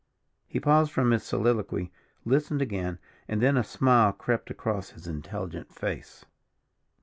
He paused from his soliloquy, listened again, and then a smile crept across his intelligent face.